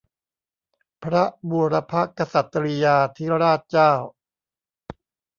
พระบุรพกษัตริยาธิราชเจ้า